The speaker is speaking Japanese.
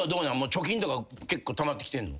貯金とかたまってきてるの？